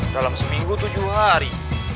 dalam seminggu tujuh hari